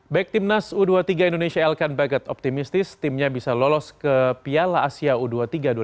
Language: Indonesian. back timnas u dua puluh tiga indonesia elkan bagat optimistis timnya bisa lolos ke piala asia u dua puluh tiga dua ribu dua puluh